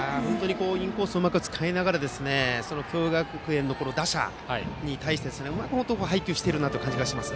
インコースをうまく使いながら共栄学園の打者に対してうまく配球している感じがします。